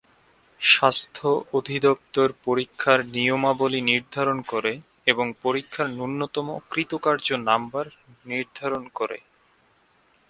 স্বাস্থ্য অধিদপ্তর পরীক্ষার নিয়মাবলী নির্ধারণ করে এবং পরীক্ষার ন্যূনতম কৃতকার্য নাম্বার নির্ধারণ করে।